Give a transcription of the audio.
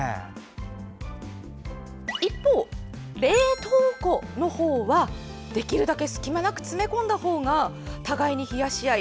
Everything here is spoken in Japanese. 一方、冷凍庫の方は、できるだけ隙間なく詰め込んだ方が互いに冷やし合い